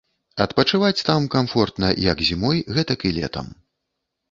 Адпачываць там камфортна, як зімой, гэтак і летам.